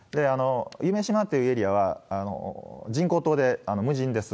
夢洲っていうエリアは、人工島で無人です。